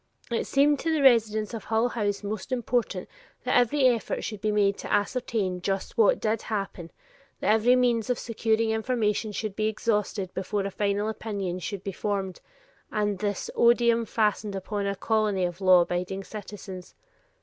It seemed to the residents of Hull House most important that every effort should be made to ascertain just what did happen, that every means of securing information should be exhausted before a final opinion should be formed, and this odium fastened upon a colony of law abiding citizens.